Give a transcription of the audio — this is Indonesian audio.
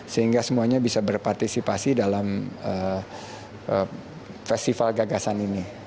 sehingga semuanya bisa berpartisipasi dalam festival gagasan ini